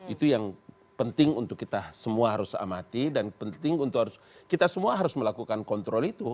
itu yang penting untuk kita semua harus amati dan penting untuk kita semua harus melakukan kontrol itu